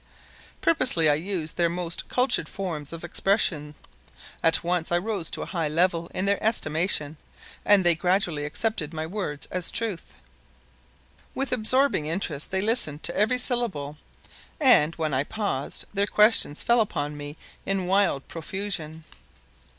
Purposely I used their most cultured forms of expression. At once I rose to a high level in their estimation and they gradually accepted my words as true. With absorbing interest they listened to every syllable and, when I paused, their questions fell upon me in wild profusion.